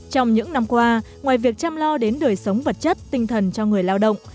trong những năm qua ngoài việc chăm lo đến đời sống vật chất tinh thần cho người lao động